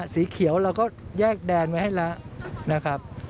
สีเขียวเราก็แยกแดนไว้ให้แล้วนะครับ